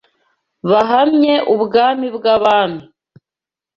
bahamye Umwami w’abami